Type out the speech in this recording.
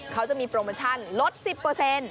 เขาจะมีโปรโมชั่นลด๑๐เปอร์เซ็นต์